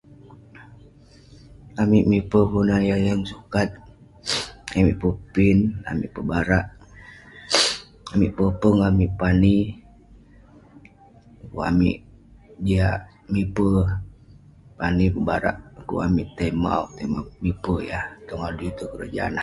Amik mipe kelunan yah yeng sukat, amik pepin, amik pebarak, amik popeng, amik pani, dekuk amik jiak mipe, pani, pebarak dekuk amik tai mauk, tai ma- mipe yah tong adui tong keroja nah.